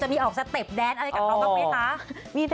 ขอบสเต็ปแดนอะไรกับเขาก็มีค่ะ